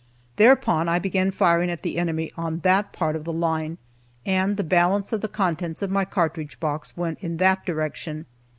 Thereupon I began firing at the enemy on that part of the line, and the balance of the contents of my cartridge box went in that direction.